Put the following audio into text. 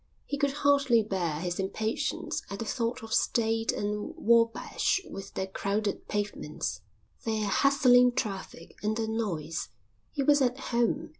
He could hardly bear his impatience at the thought of State and Wabash with their crowded pavements, their hustling traffic, and their noise. He was at home.